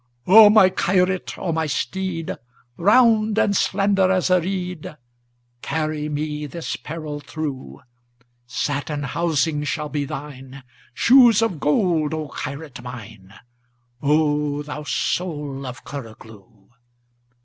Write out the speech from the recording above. "O my Kyrat, O my steed, Round and slender as a reed, Carry me this peril through! Satin housings shall be thine, Shoes of gold, O Kyrat mine, O thou soul of Kurroglou!